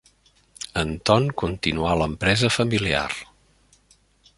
Anton continuà l'empresa familiar.